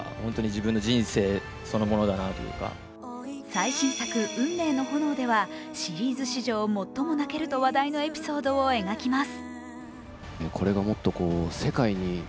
最新作「運命の炎」ではシリーズ史上最も泣けると話題のエピソードを描きます。